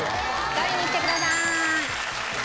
取りに来てください。